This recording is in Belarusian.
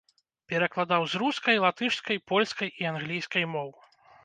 Перакладаў з рускай, латышскай, польскай і англійскай моў.